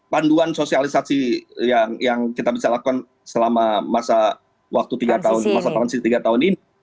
panduan sosialisasi yang kita bisa lakukan selama masa waktu tiga tahun masa transisi tiga tahun ini